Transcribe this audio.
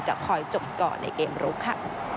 จะพลอยจบสกอร์ในเกมลุคค่ะ